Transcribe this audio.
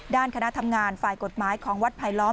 ด้านคณะทำงานฝ่ายกฎหมายของวัดไผลล้อ